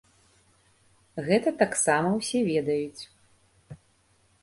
Гэта таксама ўсе ведаюць.